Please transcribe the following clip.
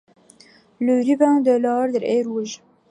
Le ruban de l'Ordre est rouge.